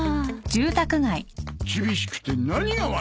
厳しくて何が悪い。